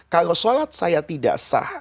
kalau sholat saya tidak sah